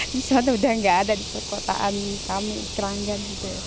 di sana udah gak ada di perkotaan kami kerangkan